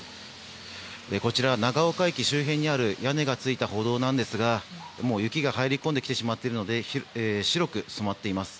こちらは長岡駅周辺にある屋根がついた歩道なんですが雪が入り込んできてしまっていて白く染まっています。